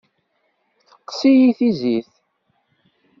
Teqqes-iyi tizit.